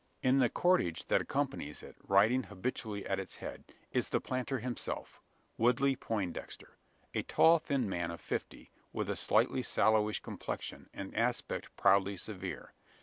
In the cortege that accompanies it, riding habitually at its head, is the planter himself Woodley Poindexter a tall thin man of fifty, with a slightly sallowish complexion, and aspect proudly severe.